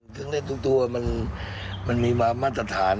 เครื่องเล่นทุกตัวมันมีมาตรฐาน